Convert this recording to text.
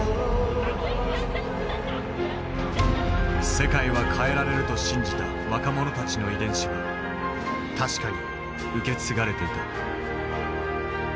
世界は変えられると信じた若者たちの遺伝子は確かに受け継がれていた。